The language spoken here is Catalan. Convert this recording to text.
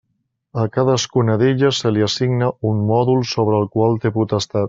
A cadascuna d'elles se li assigna un mòdul sobre el qual té potestat.